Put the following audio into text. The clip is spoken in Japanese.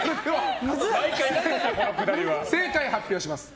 正解を発表します。